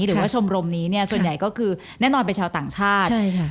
หรือว่าชมรมนี้เนี่ยส่วนใหญ่ก็คือแน่นอนเป็นชาวต่างชาติใช่ค่ะ